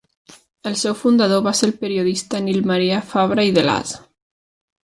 El seu fundador va ser el periodista Nil Maria Fabra i Delàs.